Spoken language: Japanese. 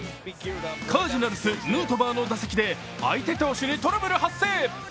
カージナルス、ヌートバーの打席で相手投手にトラブル発生。